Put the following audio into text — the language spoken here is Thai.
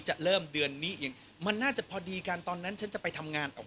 จะเริ่มเดือนนี้เองมันน่าจะพอดีกันตอนนั้นฉันจะไปทำงานออก